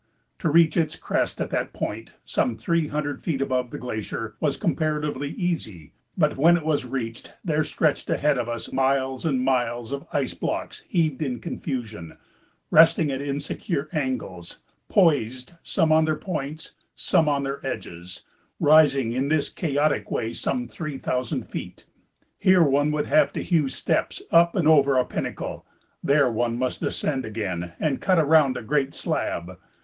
To reach its crest at that point, some three hundred feet above the glacier, was comparatively easy, but when it was reached there stretched ahead of us miles and miles of ice blocks heaved in confusion, resting at insecure angles, poised, some on their points, some on their edges, rising in this chaotic way some 3,000 feet. Here one would have to hew steps up and over a pinnacle, there one must descend again and cut around a great slab.